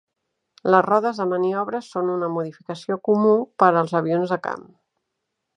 Les rodes de maniobra són una modificació comú per als avions de camp.